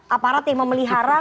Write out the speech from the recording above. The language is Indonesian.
aparat yang memelihara